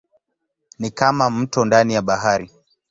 Ni kama mto ndani ya bahari.